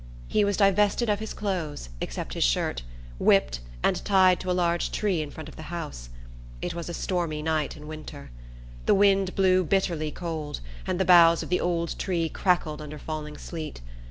He was divested of his clothes, except his shirt, whipped, and tied to a large tree in front of the house. It was a stormy night in winter. The wind blew bitterly cold, and the boughs of the old tree crackled under falling sleet.